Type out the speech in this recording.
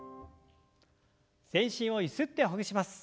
全身をゆすってほぐします。